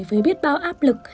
với biết bao áp lực